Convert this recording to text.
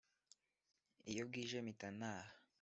iyo bwije mpita ntaha